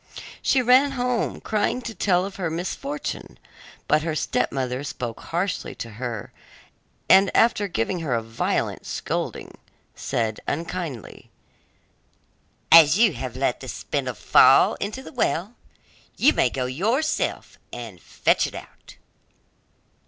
She ran home crying to tell of her misfortune, but her stepmother spoke harshly to her, and after giving her a violent scolding, said unkindly, 'As you have let the spindle fall into the well you may go yourself and fetch it out.